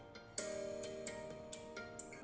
hùng hà nội